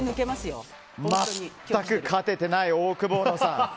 全く勝てていないオオクボーノさん。